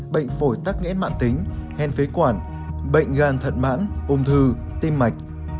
bệnh phổi tắc nghẽn mạng tính hen phế quản bệnh gan thận mãn ôm thư tim mạch